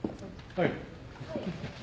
はい。